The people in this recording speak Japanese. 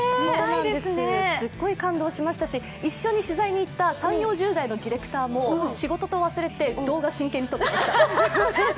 すごい感動しましたし一緒に行った３０４０代のディレクターもディレクターも仕事を忘れて動画を真剣に撮ってた。